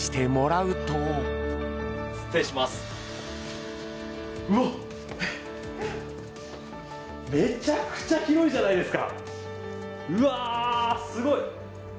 うわっ、めちゃくちゃ広いじゃないですか！